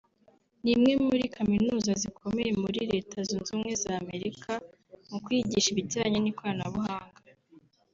ni imwe muri Kaminuza zikomeye muri Leta Zunze z’Amerika mu kwigisha ibijyanye n’ikoranabuhanga